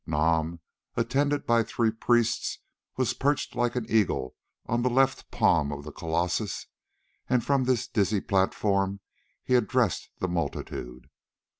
Nam, attended by three priests, was perched like an eagle on the left palm of the colossus, and from this dizzy platform he addressed the multitude.